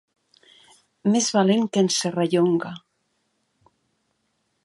Més valent que en Serrallonga.